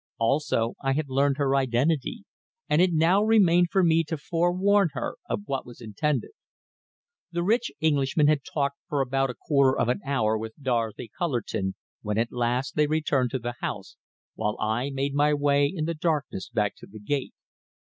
Also I had learned her identity, and it now remained for me to forewarn her of what was intended. The rich Englishman had talked for about a quarter of an hour with Dorothy Cullerton, when at last they returned to the house, while I made my way in the darkness back to the gate.